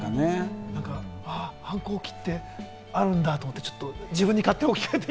反抗期ってあるんだと思って、ちょっと自分に勝手に置き換えて。